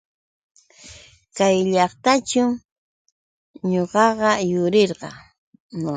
Kay llaqtaćhuumi ñuqaqa yurirqaa.